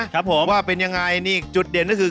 ว่าเป็นเป็นยังไงนี่จุดเด่นก็คือ